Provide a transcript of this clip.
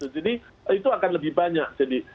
jadi itu akan lebih banyak